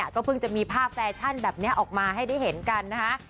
ก็เพิ่งจะมีภาพแฟชั่นแบบนี้ออกมาให้ได้เห็นกันนะคะ